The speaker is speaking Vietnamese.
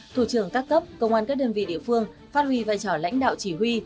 thủ trưởng các cấp công an các đơn vị địa phương phát huy vai trò lãnh đạo chỉ huy